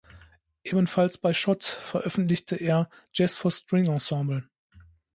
Ebenfalls bei Schott veröffentlichte er „Jazz for String Ensemble“.